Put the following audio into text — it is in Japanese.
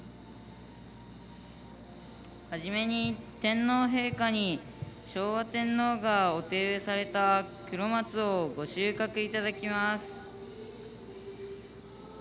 初めに、天皇陛下に昭和天皇がお手植えされたクロマツを御収穫いただきます。